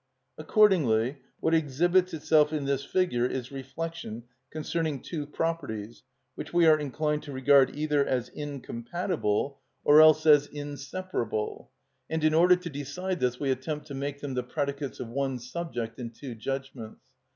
Accordingly, what exhibits itself in this figure is reflection concerning two properties which we are inclined to regard either as incompatible, or else as inseparable, and in order to decide this we attempt to make them the predicates of one subject in two judgments.